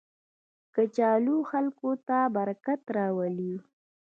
کچالو خلکو ته برکت راولي